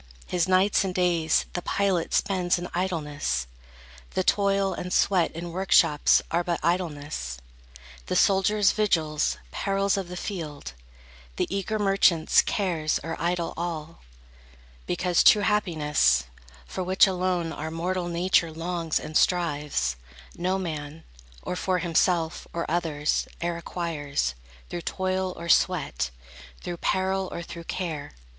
His nights and days The pilot spends in idleness; the toil And sweat in workshops are but idleness; The soldier's vigils, perils of the field, The eager merchant's cares are idle all; Because true happiness, for which alone Our mortal nature longs and strives, no man, Or for himself, or others, e'er acquires Through toil or sweat, through peril, or through care.